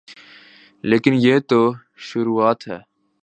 لیکن یہ تو شروعات ہے۔